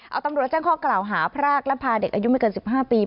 เอาตำรวจแจ้งข้อกล่าวหาพรากและพาเด็กอายุไม่เกิน๑๕ปี